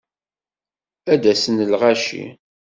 Ad d-asen lɣaci.